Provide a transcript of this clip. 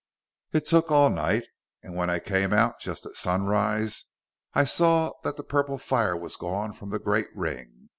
It took all night. And when I came out, just at sunrise, I saw that the purple fire was gone from the great ring.